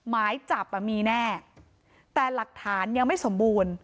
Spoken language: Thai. หมายจับมีแน่แต่หลักฐานยังไม่สมบูรณ์